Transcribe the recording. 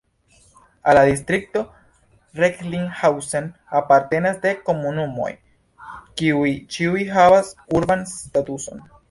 Al la distrikto Recklinghausen apartenas dek komunumoj, kiuj ĉiuj havas urban statuson.